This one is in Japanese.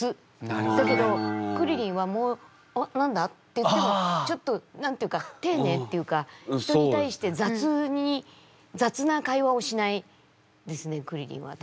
だけどクリリンは「おっ何だ？」って言ってもちょっと何て言うかていねいっていうか人に対して雑な会話をしないですねクリリンは多分。